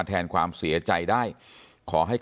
ท่านผู้ชมครับ